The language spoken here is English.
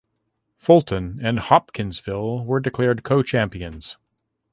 Fulton and Hopkinsville were declared co–champions.